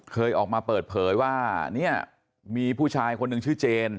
เคยออกมาเปิดเผยว่าเนี่ยมีผู้ชายคนหนึ่งชื่อเจน